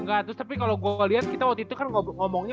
enggak terus kalo gue liat kita waktu itu kan ngomongnya